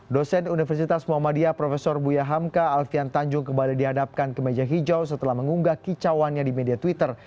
dosen universitas muhammadiyah prof buya hamka alfian tanjung kembali dihadapkan ke meja hijau setelah mengunggah kicauannya di media twitter